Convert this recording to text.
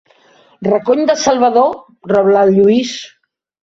Recony de Salvador! –rebla el Lluís–.